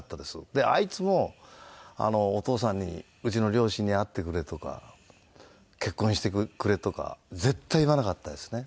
であいつも「お父さんにうちの両親に会ってくれ」とか「結婚してくれ」とか絶対言わなかったですね。